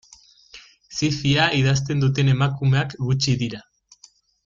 Zi-fia idazten duten emakumeak gutxi dira.